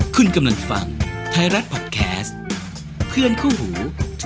คุณกำลังฟังไทยรัฐพอดแคสต์เพื่อนคู่หู